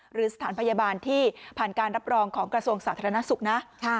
หรือสถานพยาบาลที่ผ่านการรับรองของกระทรวงสาธารณสุขนะ